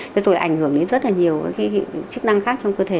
rồi ảnh hưởng đến rất là nhiều chức năng khác trong cơ thể